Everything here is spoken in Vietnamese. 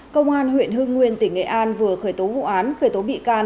công an huyện hương nguyên tỉnh nghệ an vừa khởi tố vụ án